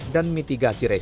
dan mitigasi resiko